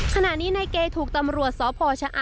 ขณะนี้ในเก๊ถูกตำรวจสภชอ